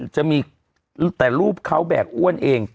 จะมีแต่รูปเขาแบกอ้วนเอง